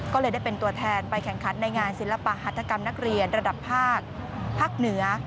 ก็เลยได้เป็นตัวแทนไปแข่งขันในงานศิลปหัฐกรรมนักเรียนระดับภาคภาคเหนือ